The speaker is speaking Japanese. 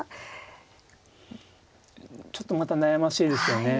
ちょっとまた悩ましいですよね。